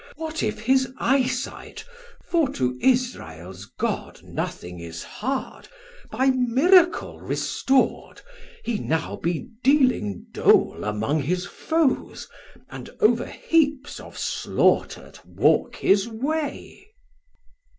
What if his eye sight (for to Israels God Nothing is hard) by miracle restor'd, He now be dealing dole among his foes, And over heaps of slaughter'd walk his way?